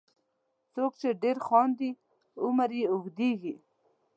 • څوک چې ډېر خاندي، عمر یې اوږدیږي.